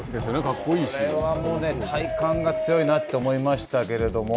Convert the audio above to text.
これはもうね、体幹が強いなと思いましたけれども。